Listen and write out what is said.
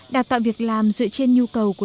đạt tạo việc làm dựa trên nhu cầu của bà